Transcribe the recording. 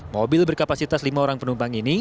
mobil berkapasitas lima orang penumpang ini